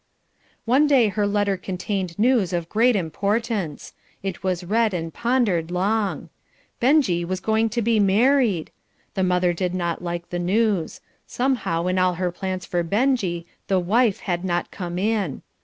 One day her letter contained news of great importance. It was read and pondered long. Benjie was going to be married! The mother did not like the news; somehow in all her plans for Benjie the wife had not come in.